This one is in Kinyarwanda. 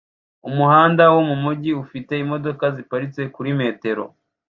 Umuhanda wo mumujyi ufite imodoka ziparitse kuri metero